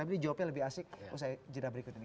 tapi ini jawabnya lebih asik usai jenah berikut ini